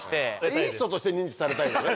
いい人として認知されたいよね？